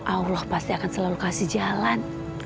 allah pasti akan selalu kasih jalan